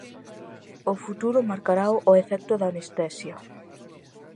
O futuro marcarao o efecto da anestesia.